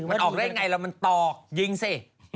มันออกได้ไงแล้วมันตอกยิงสิ